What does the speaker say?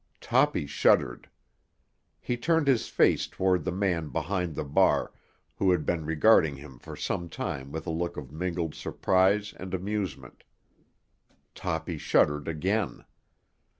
Toppy shuddered. He turned his face toward the man behind the bar, who had been regarding him for some time with a look of mingled surprise and amusement. Toppy shuddered again.